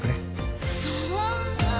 そんな。